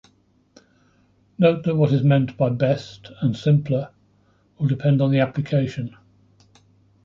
Note that what is meant by "best" and "simpler" will depend on the application.